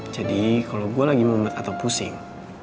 jadi kalo gue lagi memat atau pusing